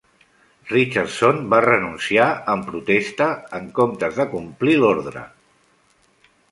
Richardson va renunciar en protesta en comptes de complir l'ordre.